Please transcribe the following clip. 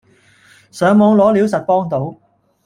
上網攞料實幫到